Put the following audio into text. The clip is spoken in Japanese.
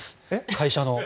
会社の。